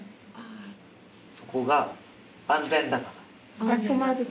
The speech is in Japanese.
そこが安全だから。